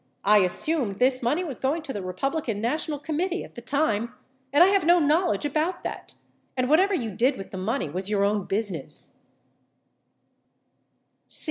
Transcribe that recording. I assumed this money was going to the Republican National Committee at the time ; and I have no knowledge about that. And whatever you did with the money, was your own business.